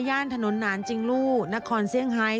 ย่านถนนนานจิงลูนครเซียงไฮ